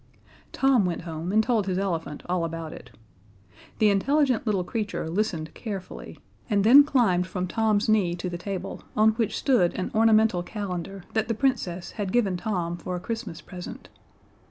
Tom went home, and told his elephant all about it. The intelligent little creature listened carefully, and then climbed from Tom's knee to the table, on which stood an ornamental calendar that the Princess had given Tom for a Christmas present.